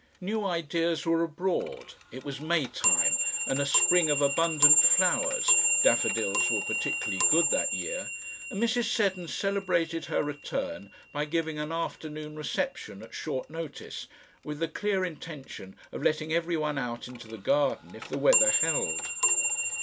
New ideas were abroad, it was Maytime and a spring of abundant flowers daffodils were particularly good that year and Mrs. Seddon celebrated her return by giving an afternoon reception at short notice, with the clear intention of letting every one out into the garden if the weather held.